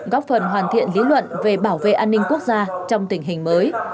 góp phần hoàn thiện lý luận về bảo vệ an ninh quốc gia trong tình hình mới